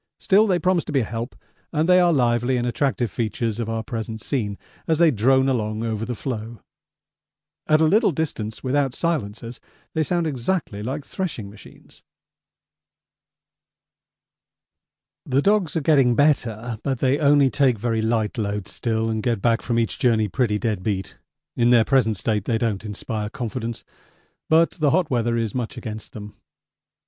Still they promise to be a help, and they are lively and attractive features of our present scene as they drone along over the floe. At a little distance, without silencers, they sound exactly like threshing machines. The dogs are getting better, but they only take very light loads still and get back from each journey pretty dead beat. In their present state they don't inspire confidence, but the hot weather is much against them.